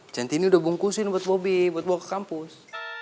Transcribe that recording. chanti ini udah bungkusin buat bobi buat bawa ke kampus